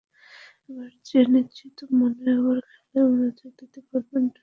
এবার নিশ্চিন্ত মনে আবার খেলায় মনোযোগ দিতে পারেন টানা চারবারের ফিফা বর্ষসেরা ফুটবলার।